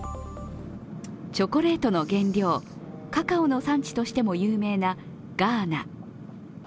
チョコレートの原料、カカオの産地としても有名なガーナ。